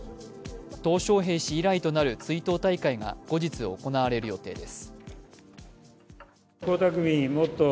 トウ小平氏以来とな追悼大会が後日、行われる予定です。